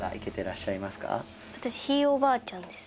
私ひいおばあちゃんです。